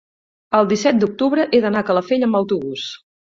el disset d'octubre he d'anar a Calafell amb autobús.